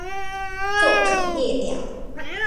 作品列表